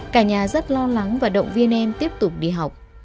cả nhà rất lo lắng và động viên em tiếp tục đi học